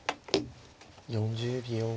４０秒。